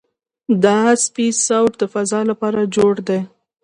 دا سپېس سوټ د فضاء لپاره جوړ دی.